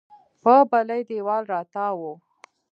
په بلې دېوال راتاو و.